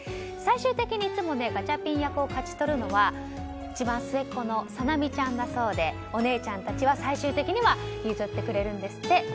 最終的にいつもガチャピン役を勝ち取るのは一番末っ子のサナミちゃんだそうでお姉ちゃんたちは最終的に譲ってくれるんですって。